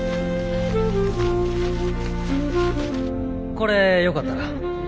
これよかったら。